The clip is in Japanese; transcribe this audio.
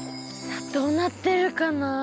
さあどうなってるかな？